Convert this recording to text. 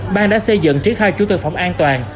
ban đã xây dựng triết khai chú thực phẩm an toàn